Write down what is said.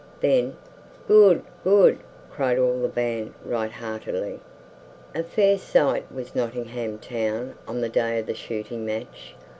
Then "Good, good!" cried all the band right heartily. A fair sight was Nottingham Town on the day of the shooting match.